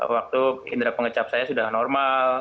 waktu indera pengecap saya sudah normal